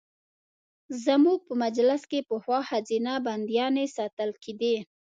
زموږ په محبس کې پخوا ښځینه بندیانې ساتل کېدې.